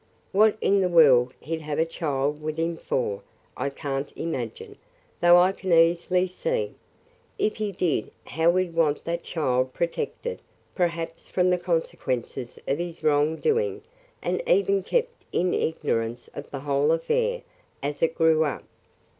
What in the world he 'd have a child with him for, I can't imagine, though I can easily see, if he did how he 'd want that child protected perhaps from the consequences of his wrong doing and even kept in ignorance of the whole affair, as it grew up."